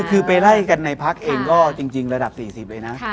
คือไปไล่กันในพักเองก็จริงระดับ๔๐เลยนะ